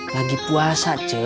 lagi puasa ce